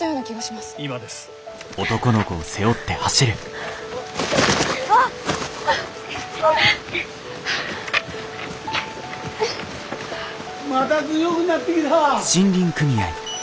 まだ強ぐなってきた。